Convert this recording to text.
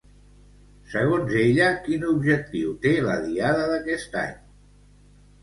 Segons ella, quin objectiu té la Diada d'aquest any?